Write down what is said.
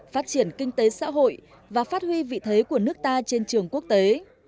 phát triển kinh tế xã hội và phát huy vị thế của nước ta trên trường quốc tế